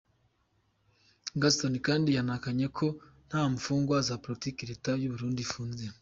Gaston kandi yanahakanye ko nta mfungwa za politiki Leta y’u Burundi ifunze.